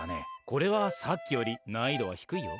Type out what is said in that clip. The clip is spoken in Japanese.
これはさっきより難易度は低いよ！